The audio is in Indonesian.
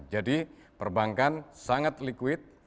jadi perbankan sangat likuid